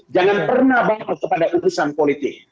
jangan pernah bawa kepada urusan politik